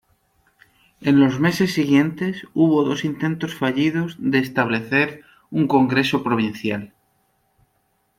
En los meses siguientes hubo dos intentos fallidos de establecer un congreso provincial.